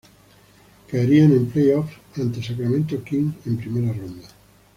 Caerían en playoffs ante Sacramento Kings en primera ronda.